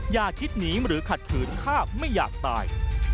อย่าคิดหนีหรือขัดขืนถ้าไม่อยากตาย